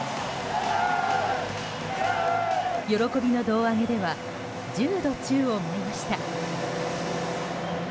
喜びの胴上げでは１０度、宙を舞いました。